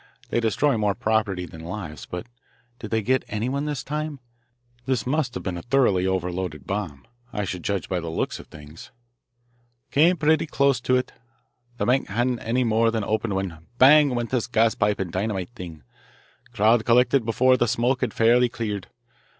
"They destroy more property than lives. But did they get anyone this time? This must have been a thoroughly overloaded bomb, I should judge by the looks of things." "Came pretty close to it. The bank hadn't any more than opened when, bang! went this gaspipe and dynamite thing. Crowd collected before the smoke had fairly cleared.